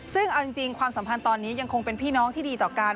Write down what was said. ซึ่งเอาจริงความสัมพันธ์ตอนนี้ยังคงเป็นพี่น้องที่ดีต่อกัน